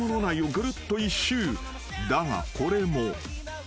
［だがこれも］